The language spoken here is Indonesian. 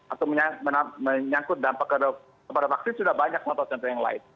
atau menyangkut dampak kepada vaksin sudah banyak contoh contoh yang lain